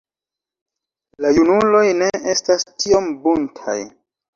La junuloj ne estas tiom buntaj.